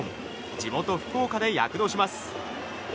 地元・福岡で躍動します。